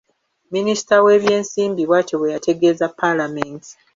Minisita w’ebyensimbi bw'atyo bwe yategeeza Paalamenti.